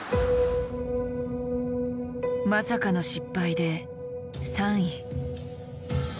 まさかの失敗で３位。